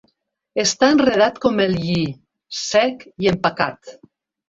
Està enredat com el lli, sec i empacat.